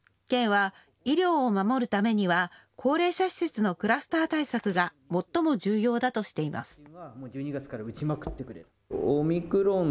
県は医療を守るためには高齢者施設のクラスター対策が最も重要だとしています。